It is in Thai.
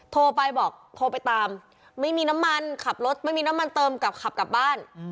โทรไปบอกโทรไปตามไม่มีน้ำมันขับรถไม่มีน้ำมันเติมกลับขับกลับบ้าน